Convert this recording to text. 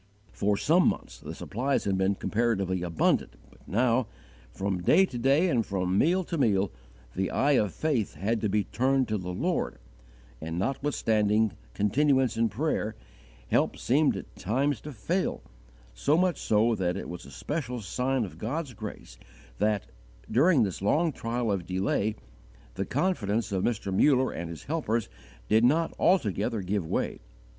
For some months the supplies had been comparatively abundant, but now, from day to day and from meal to meal, the eye of faith had to be turned to the Lord, and, notwithstanding continuance in prayer, help seemed at times to fail, so much so that it was a special sign of God's grace that, during this long trial of delay, the confidence of Mr. Muller and his helpers did not altogether give way.